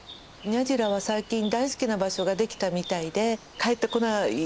ニャジラは最近大好きな場所が出来たみたいで帰ってこない。